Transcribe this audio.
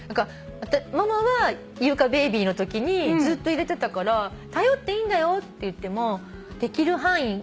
ママは優香ベビーのときにずっと入れてたから頼っていいんだよって言っても「できる限りやりたい」